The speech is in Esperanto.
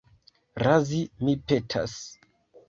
Razi, mi petas.